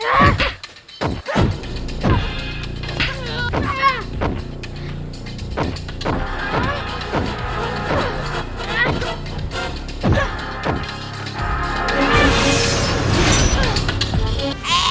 maaf sembara aku tidak sengaja